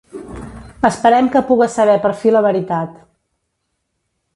Esperem que puga saber per fi la veritat.